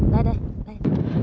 đây đây đây